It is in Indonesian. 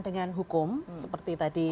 dengan hukum seperti tadi